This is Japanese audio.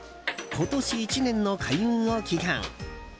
今年１年の開運を祈願。